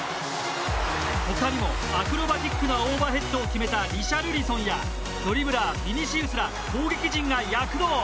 ほかにもアクロバティックなオーバーヘッドを決めたリシャルリソンやドリブラー、ビニシウスら攻撃陣が躍動。